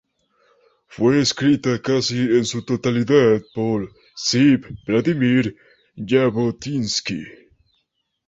Fue escrita casi en su totalidad por Zeev Vladimir Jabotinsky.